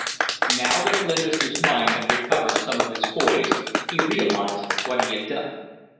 Now that Glenister's mind had recovered some of its poise he realized what he had done.